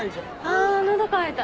あ喉渇いた。